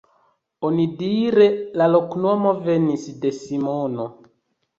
Onidire la loknomo venis de Simono.